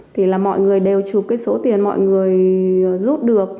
thì là mọi người đều chụp cái số tiền mọi người rút được